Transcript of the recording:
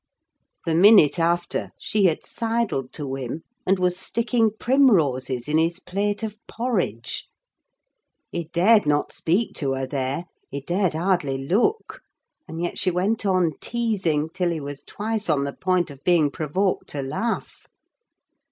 The minute after, she had sidled to him, and was sticking primroses in his plate of porridge. He dared not speak to her there: he dared hardly look; and yet she went on teasing, till he was twice on the point of being provoked to laugh.